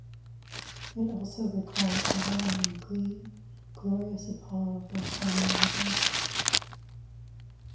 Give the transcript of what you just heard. It also recalls the well-known glee "Glorious Apollo" by Samuel Webbe.